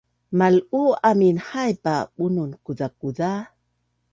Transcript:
Mal’uu amin haip a bunun kuzakuza